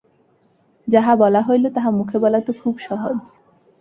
যাহা বলা হইল, তাহা মুখে বলা তো খুব সহজ।